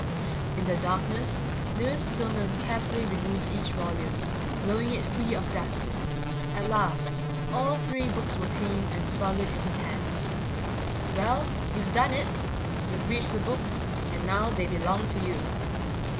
In the darkness, Lewis Stillman carefully removed each volume, blowing it free of dust. At last all three books were clean and solid in his hands. Well, you've done it. You've reached the books and now they belong to you.